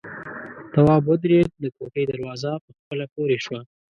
تواب ودرېد، د کوټې دروازه په خپله پورې شوه.